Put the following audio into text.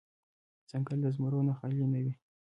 ځنګل د زمرو نه خالې نه وي.